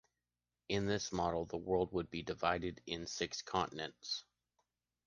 In this model, the world would be divided in six continents.